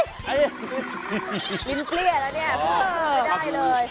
กินเกลี้ยแล้วเนี่ยไม่ได้เลย